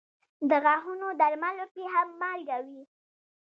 د غاښونو درملو کې هم مالګه وي.